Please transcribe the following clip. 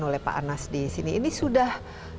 oleh pak anas disini ini sudah